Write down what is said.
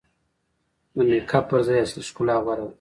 د میک اپ پر ځای اصلي ښکلا غوره ده.